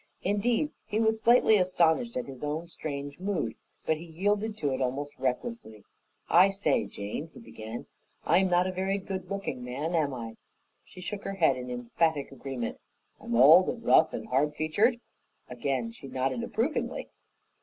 Indeed, he was slightly astonished at his own strange mood, but he yielded to it almost recklessly. "I say, Jane," he began, "I'm not a very good looking man, am I?" She shook her head in emphatic agreement. "I'm old and rough and hard featured?" Again she nodded approvingly.